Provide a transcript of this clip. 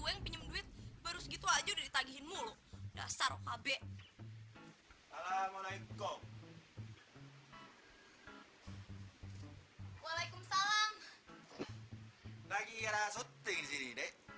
yang penting kan sekarang udah ada angkot gini